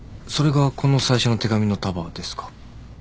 それがこの最初の手紙の束ですか？